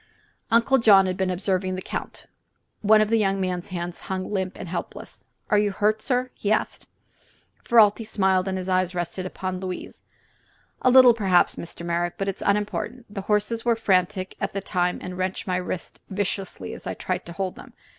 Uncle John had been observing the Count. One of the young man's hands hung limp and helpless. "Are you hurt, sir?" he asked. Ferralti smiled, and his eyes rested upon Louise. "A little, perhaps, Mr. Merrick; but it is unimportant. The horses were frantic at the time and wrenched my wrist viciously as I tried to hold them.